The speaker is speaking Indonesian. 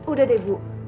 udah deh bu